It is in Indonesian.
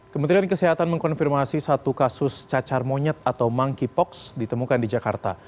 kementerian kesehatan mengkonfirmasi satu kasus cacar monyet atau monkeypox ditemukan di jakarta